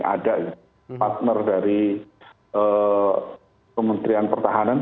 ada partner dari kementerian pertahanan